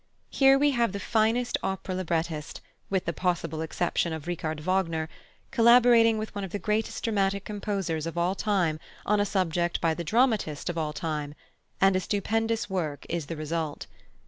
Here we have the finest opera librettist, with the possible exception of Richard Wagner, collaborating with one of the greatest dramatic composers of all time on a subject by the dramatist of all time and a stupendous work is the result.